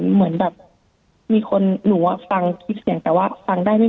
เหมือนแบบมีคนหนูอ่ะฟังคลิปเสียงแต่ว่าฟังได้ไม่